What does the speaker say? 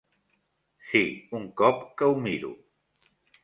Sí, un cop que ho miro.